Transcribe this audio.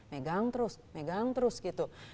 pegang terus pegang terus gitu